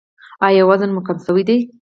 ایا وزن مو کم شوی دی؟